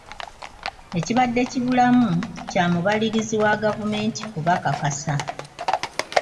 Ekibadde kibulamu kya mubalirizi wa gavumenti kubakakasa.